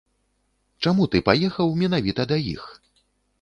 Чаму ты паехаў менавіта да іх?